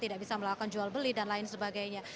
tidak bisa melakukan jual beli dan lain sebagainya